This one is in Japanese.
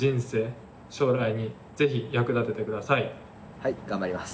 はい頑張ります。